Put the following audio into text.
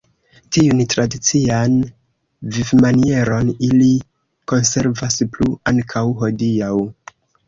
Tiun tradician vivmanieron ili konservas plu ankaŭ hodiaŭ.